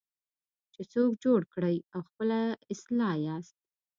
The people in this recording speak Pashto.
چې څوک جوړ کړئ او خپله اصلاح یاست.